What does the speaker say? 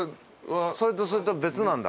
それとそれと別なんだ。